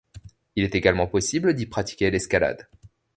Il est également possible d'y pratiquer l'escalade.